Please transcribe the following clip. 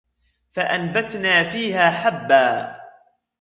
فَأَنبَتْنَا فِيهَا حَبًّا